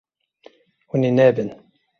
Hûn ê nebin.